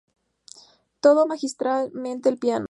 Tocaba magistralmente el piano.